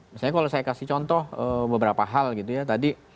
misalnya kalau saya kasih contoh beberapa hal gitu ya